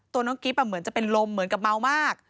น้องกิ๊บเหมือนจะเป็นลมเหมือนกับเมามาก